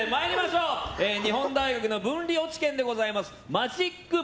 日本大学文理落ち研でございます。